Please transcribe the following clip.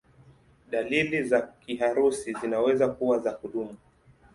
Dalili za kiharusi zinaweza kuwa za kudumu.